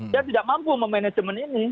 dia tidak mampu memanagement ini